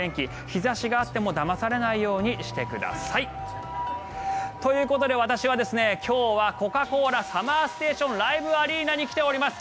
日差しがあってもだまされないようにしてください。ということで私は今日はコカ・コーラＳＵＭＭＥＲＳＴＡＴＩＯＮＬＩＶＥアリーナに来ております。